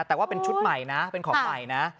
แต่ว่าเป็นชุดใหม่นะเป็นของใหม่นะ